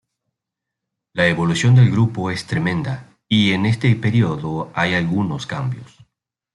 La evolución del grupo es tremenda, y en este periodo hay algunos cambios.